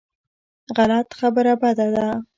غلط خبره بده ده.